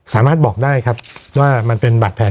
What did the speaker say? สามารถบอกได้ครับว่ามันเป็นบาดแผล